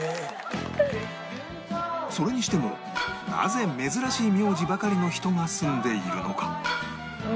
それにしてもなぜ珍しい名字ばかりの人が住んでいるのか？